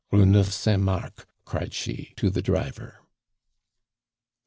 "Rue Neuve Saint Marc," cried she to the driver.